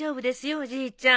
おじいちゃん。